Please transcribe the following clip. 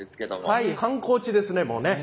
はい観光地ですねもうね。